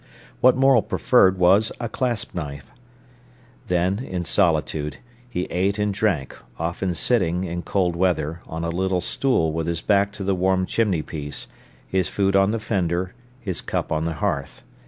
What Morel preferred was a clasp knife. Then, in solitude, he ate and drank, often sitting, in cold weather, on a little stool with his back to the warm chimney piece, his food on the fender, his cup on the hearth.